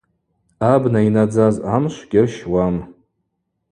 Абна йнадзаз амшв гьырщуам.